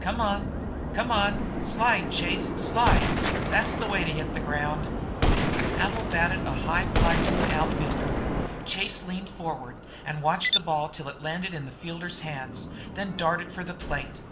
Come on! Come on! Slide, Chase, slide. That's the way to hit the ground." Havil batted up a high fly to an outfielder. Chase leaned forward and watched the ball till it landed in the fielder's hands, then he darted for the plate.